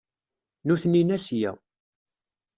Nutni n Asya.